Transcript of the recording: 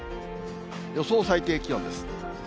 予想最低気温です。